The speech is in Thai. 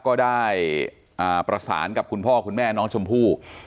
ก็ได้ประสานกับคุณพ่อคุณแม่น้องชมพู่